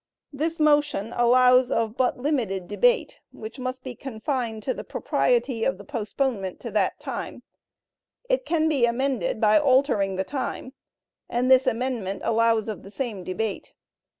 This motion allows of but limited debate, which must be confined to the propriety of the postponement to that time; it can be amended by altering the time, and this amendment allows of the same debate.